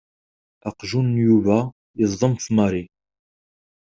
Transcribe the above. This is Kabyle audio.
Aqjun n Yuba yeẓḍem f Mary.